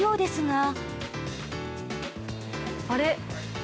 あれ？